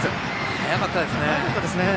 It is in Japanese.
速かったですね。